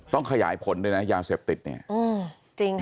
ต้องขยายผลด้วยนะยาเสพติดเนี่ย